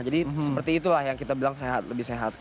jadi seperti itulah yang kita bilang lebih sehat